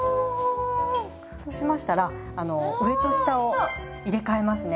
そうしましたら上と下を入れ替えますね。